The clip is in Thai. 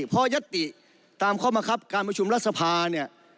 พอยัตติตามข้อบังคับการประชุมรัฐสภาเนี่ย